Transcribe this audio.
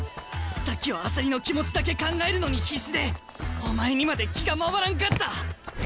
さっきは朝利の気持ちだけ考えるのに必死でお前にまで気が回らんかった！